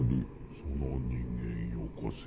その人間よこせ。